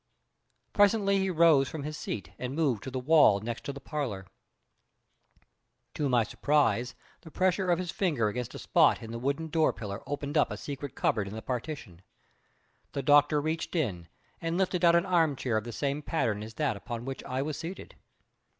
Presently he rose from his seat and moved to the wall next to the parlor. To my surprise, the pressure of his finger against a spot in the wooden door pillar opened up a secret cupboard in the partition. The Doctor reached in and lifted out an arm chair of the same pattern as that upon which I was seated.